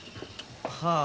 はあ。